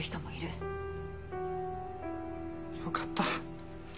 よかった。